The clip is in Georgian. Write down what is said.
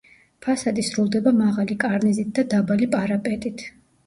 ფასადი სრულდება მაღალი კარნიზით და დაბალი პარაპეტით.